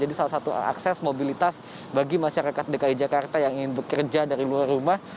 salah satu akses mobilitas bagi masyarakat dki jakarta yang ingin bekerja dari luar rumah